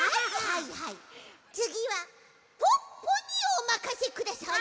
つぎはポッポにおまかせください。